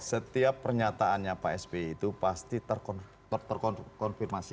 setiap pernyataannya pak sby itu pasti terkonfirmasi